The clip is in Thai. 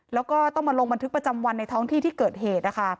แล้วก็ต้องมาลงบันทึกประจำวันในท้องที่ที่เกิดเหตุ